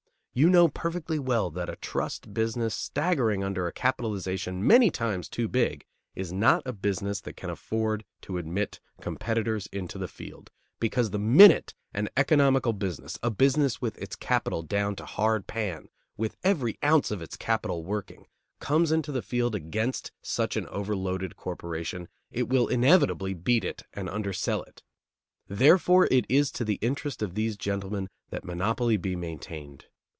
You know perfectly well that a trust business staggering under a capitalization many times too big is not a business that can afford to admit competitors into the field; because the minute an economical business, a business with its capital down to hard pan, with every ounce of its capital working, comes into the field against such an overloaded corporation, it will inevitably beat it and undersell it; therefore it is to the interest of these gentlemen that monopoly be maintained.